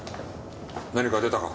何か出たか？